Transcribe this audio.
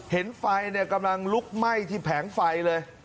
เห็นไฟกำลังลุกไหม้ที่แผงไฟเลย